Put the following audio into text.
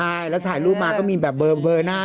ดีแล้วคุณแม่มีความสุขน้องค่ะ